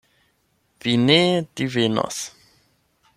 Vi ne divenos.